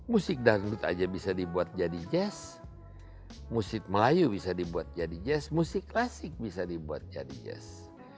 musik dangdut aja bisa dibuat jadi jazz musik melayu bisa dibuat jadi jazz musik klasik bisa dibuat jadi jazz